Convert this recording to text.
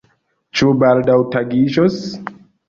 Ĉu baldaŭ tagiĝos?